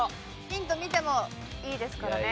ヒント見てもいいですからね。